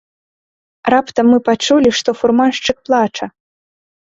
Раптам мы пачулі, што фурманшчык плача.